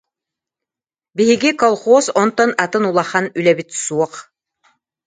Биһиги колхоз онтон атын улахан үлэбит суох.